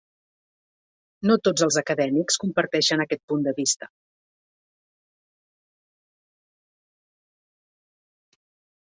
No tots els acadèmics comparteixen aquest punt de vista.